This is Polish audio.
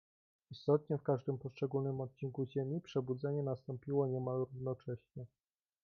"Istotnie w każdym poszczególnym odcinku ziemi przebudzenie nastąpiło niemal równocześnie."